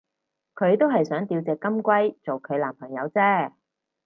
佢都係想吊隻金龜做佢男朋友啫